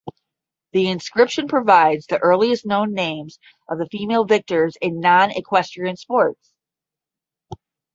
The inscription provides the earliest known names of females victors in non equestrian sports.